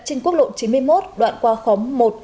trên quốc lộ chín mươi một đoạn qua khóm một